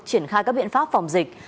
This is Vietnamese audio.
triển khai các biện pháp phòng dịch